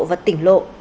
và tỉnh lộ